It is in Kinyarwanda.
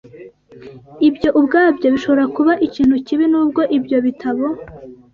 ibyo ubwabyo bishobora kuba ikintu kibi nubwo ibyo bitabo